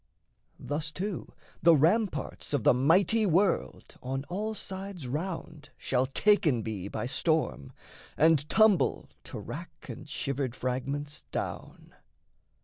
Thus, too, the ramparts of the mighty world On all sides round shall taken be by storm, And tumble to wrack and shivered fragments down.